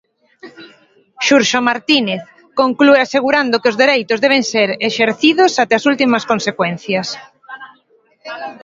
Xurxo Martínez conclúe asegurando que os dereitos deben ser exercidos até as últimas consecuencias.